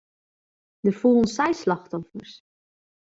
Der foelen seis slachtoffers.